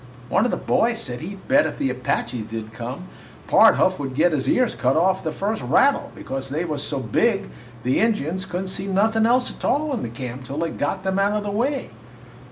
One of the boys said he 'd bet if the Apaches did come, Pard Huff would get his ears cut off the first rattle, because they was so big the Injuns could n't see nothin' else a tall in camp till they got them out of the way.